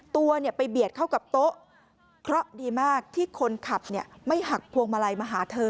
ตัวไปเบียดเข้ากับโต๊ะเคราะห์ดีมากที่คนขับไม่หักพวงมาลัยมาหาเธอ